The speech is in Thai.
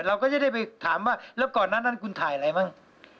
เราก็จะได้ไปถามว่าแล้วก่อนนั้นคุณถ่ายอะไรมั้ง